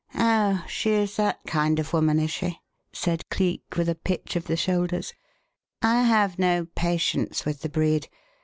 "Oh, she is that kind of woman, is she?" said Cleek with a pitch of the shoulders. "I have no patience with the breed!